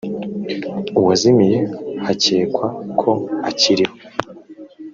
uwazimiye hakekwa ko akiriho